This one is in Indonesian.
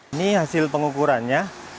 ini hasil pengukurannya